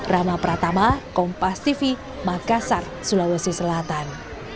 rama pratama kompas tv makassar sulawesi selatan